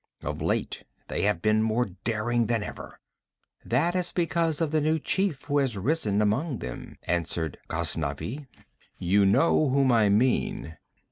Of late they have been more daring than ever.' 'That is because of the new chief who has risen among them,' answered Ghaznavi. 'You know whom I mean.'